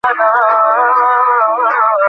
আধিনি, কোনো সমস্যা?